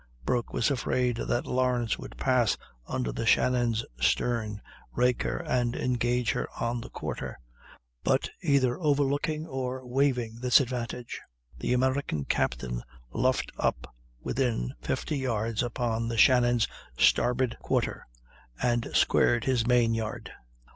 Broke was afraid that Lawrence would pass under the Shannon's stern, rake her, and engage her on the quarter; but either overlooking or waiving this advantage, the American captain luffed up within 50 yards upon the Shannon's starboard quarter, and squared his main yard.